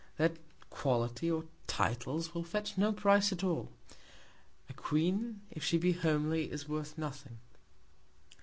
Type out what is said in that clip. Their Quality or Titles will fetch no Price at all; a Queen, if she be homely, is worth nothing.